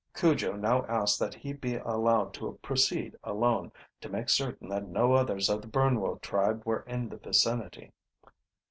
Cujo now asked that he be allowed to proceed alone, to make certain that no others of the Burnwo tribe were in the vicinity.